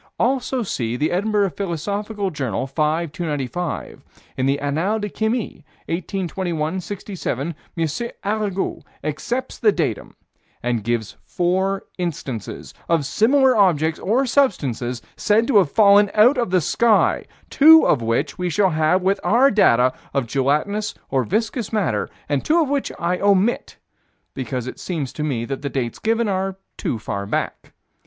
Also see the Edinburgh Philosophical Journal, 5 295. In the Annales de Chimie, 1821 67, M. Arago accepts the datum, and gives four instances of similar objects or substances said to have fallen from the sky, two of which we shall have with our data of gelatinous, or viscous matter, and two of which I omit, because it seems to me that the dates given are too far back.